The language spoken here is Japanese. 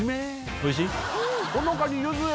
おいしい！